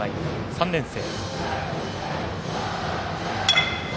３年生。